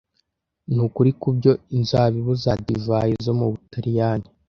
ni ukuri kubyo inzabibu za divayi zo mu Butaliyani